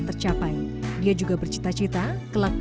dan selalu mengikuti aturan dan perintah institusi dari pelati